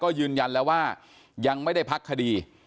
ก็ยืนยันแล้วว่ายังไม่ได้พักคดี